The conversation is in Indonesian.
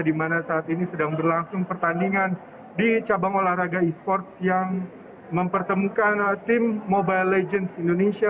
di mana saat ini sedang berlangsung pertandingan di cabang olahraga e sports yang mempertemukan tim mobile legends indonesia